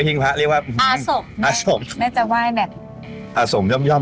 แต่เมื่อกี้เราเข้ามาในร้านนี่อะลังกาเลยนะ